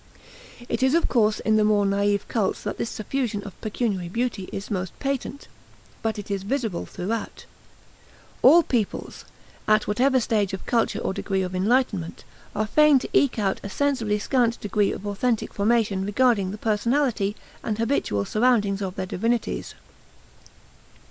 It is of course in the more naive cults that this suffusion of pecuniary beauty is most patent, but it is visible throughout. All peoples, at whatever stage of culture or degree of enlightenment, are fain to eke out a sensibly scant degree of authentic formation regarding the personality and habitual surroundings of their divinities.